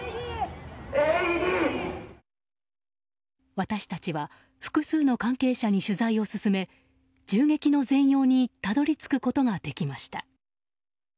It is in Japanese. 私たちは複数の関係者に取材を進め銃撃の全容にたどり着くことができました。